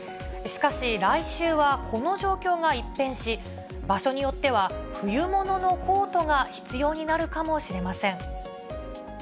しかし、来週はこの状況が一変し、場所によっては冬物のコートが必要になるかもしれません。